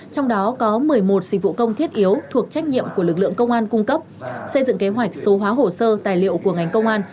trong đó có một mươi một dịch vụ công thiết yếu thuộc trách nhiệm của lực lượng công an cung cấp xây dựng kế hoạch số hóa hồ sơ tài liệu của ngành công an